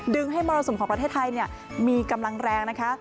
ดึงให้มรสุนของประเทศไทยเนี่ยมีกำลังแรงนะคะ